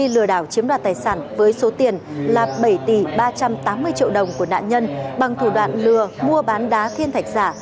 lừa đảo chiếm đoạt tài sản với số tiền là bảy tỷ ba trăm tám mươi triệu đồng của nạn nhân bằng thủ đoạn lừa mua bán đá thiên thạch giả